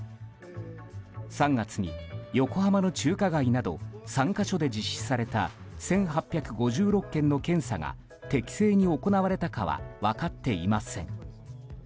３月に横浜の中華街など３か所で実施された１８５６件の検査が適正に行われたかは分かっていません。